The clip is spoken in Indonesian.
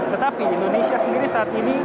tetapi indonesia sendiri saat ini